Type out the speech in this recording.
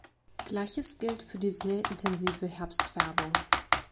Gleiches gilt für die sehr intensive Herbstfärbung.